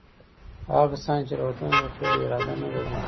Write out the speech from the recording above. هغه کسان چې له وطن څخه د تللو اراده نه لري.